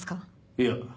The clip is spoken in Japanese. いや。